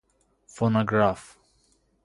فونوگراف